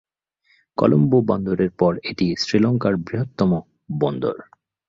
কলম্বো বন্দরের পর এটি শ্রীলঙ্কার বৃহত্তম বন্দর।